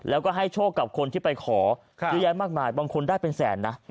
แล้วก็ให้โชคกับคนที่ไปขอเยอะแยะมากมายบางคนได้เป็นแสนนะ